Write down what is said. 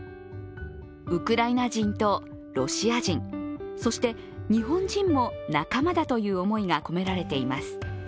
ウクライナ人とロシア人、そして日本人も仲間だという思いが込められています。